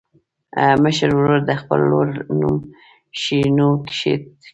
مشر ورور د خپلې لور نوم شیرینو کېښود.